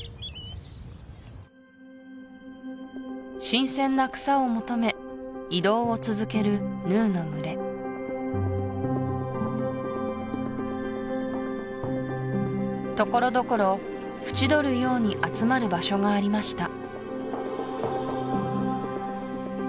新鮮な草を求め移動を続けるヌーの群れ所々縁取るように集まる場所がありました